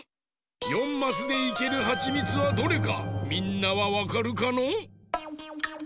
４マスでいけるはちみつはどれかみんなはわかるかのう？